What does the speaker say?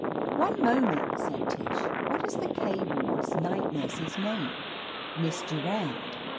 "One moment," said Tish, "what is the K ward's night nurse's name?" "Miss Durand."